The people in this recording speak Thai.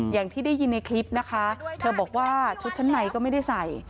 อย่างที่ได้ยินในคลิปนะคะเธอบอกว่าชุดชั้นในก็ไม่ได้ใส่